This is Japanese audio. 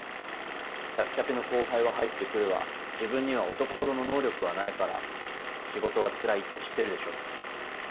きゃぴきゃぴの後輩は入ってくるわ自分には男ほどの能力はないから仕事はつらいって知ってるでしょ